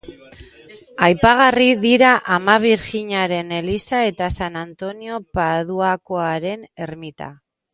Aipagarri dira Ama Birjinaren eliza eta San Antonio Paduakoaren ermita.